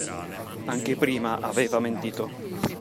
Anche prima aveva mentito.